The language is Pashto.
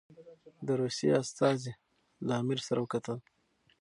د روسیې استازي له امیر سره وکتل.